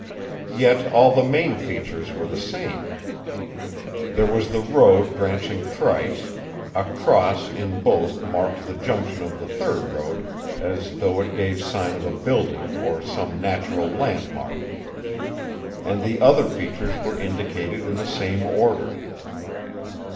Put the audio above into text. Yet all the main features were the same. There was the road branching thrice; a cross in both marked the junction of the third road as though it gave sign of a building or some natural landmark; and the other features were indicated in the same order.